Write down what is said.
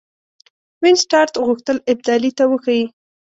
وینسیټارټ غوښتل ابدالي ته وښيي.